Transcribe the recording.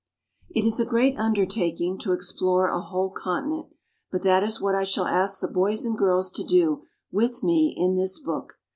IT is a great undertaking to explore a whole continent, but that is what I shall ask the boys and girls to do with me in this book.